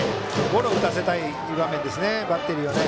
ゴロを打たせたい場面ですね